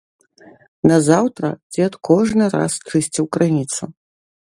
Назаўтра дзед кожны раз чысціў крыніцу.